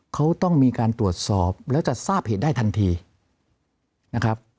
เขาต้องมีการตรวจสอบแล้วจะทราบเหตุได้ทันทีนะครับ